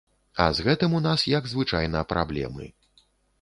А з гэтым у нас, як звычайна, праблемы.